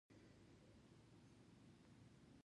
خپل ګور تنګوي.